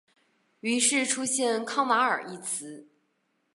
于是出现康瓦尔一词。